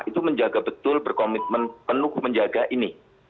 itu menjaga betul berkomitmen penuh menjaga ini